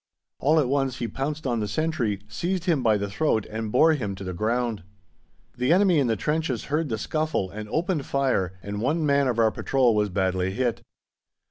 All at once he pounced on the sentry, seized him by the throat and bore him to the ground. The enemy in the trenches heard the scuffle and opened fire and one man of our patrol was badly hit.